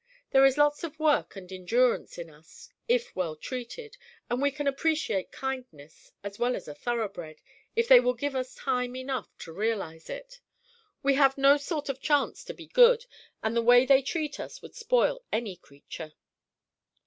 There is lots of work and endurance in us, if well treated; and we can appreciate kindness as well as a thoroughbred, if they will give us time enough to realize it. We have no sort of chance to be good, and the way they treat us would spoil any creature."